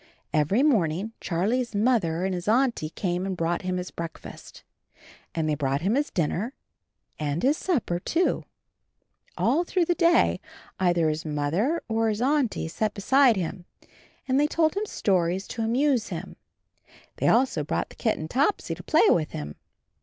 Every morning Charlie's Mother and his Auntie came and brought him his breakfast, and they brought his dinner and his supper, too. All through the day either his Mother or his Auntie sat beside him and they told him stories to amuse him. They also brought the kitten Topsy to play with him.